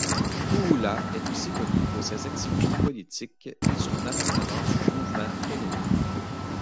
Kuula est aussi connu pour ses activités politiques et son appartenance au Mouvement fennomane.